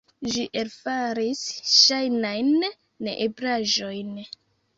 Ĝi elfaris ŝajnajn neeblaĵojn.